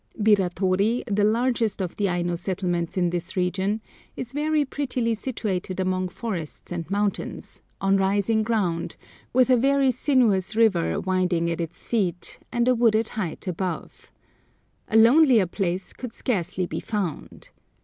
Biratori, the largest of the Aino settlements in this region, is very prettily situated among forests and mountains, on rising ground, with a very sinuous river winding at its feet and a wooded height above. A lonelier place could scarcely be found.